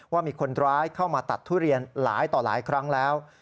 ว่ามีคนร้ายเข้ามาตัดทุเรียนหลายต่อหลายครั้งแล้ว